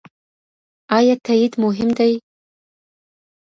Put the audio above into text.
ايا تاييد مهم دی؟